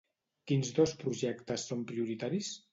Quins dos projectes són prioritaris?